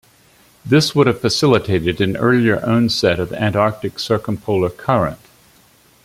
This would have facilitated an earlier onset of the Antarctic Circumpolar Current.